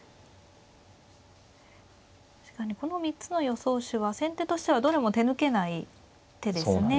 確かにこの３つの予想手は先手としてはどれも手抜けない手ですね。